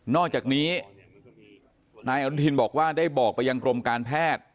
อกจากนี้นายอนุทินบอกว่าได้บอกไปยังกรมการแพทย์